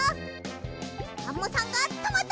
アンモさんがとまった。